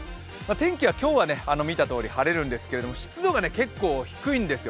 天気は今日はね見たとおり晴れるんですけれども湿度が結構低いんですよ。